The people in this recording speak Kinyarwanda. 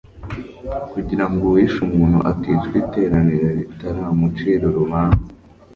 kugira ngo uwishe umuntu aticwa iteraniro ritaramucira urubanza